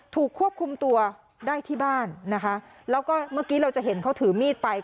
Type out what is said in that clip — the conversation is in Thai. ถูกควบคุมตัวได้ที่บ้านนะคะแล้วก็เมื่อกี้เราจะเห็นเขาถือมีดไป